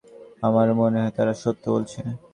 আমারও মনে হয় তারা সত্য বলছে।